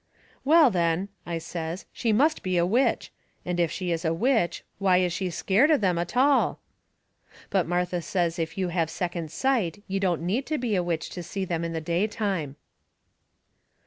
"Well, then," I says, "she must be a witch. And if she is a witch why is she scared of them a tall?" But Martha says if you have second sight you don't need to be a witch to see them in the daytime.